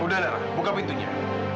udah nara buka pintunya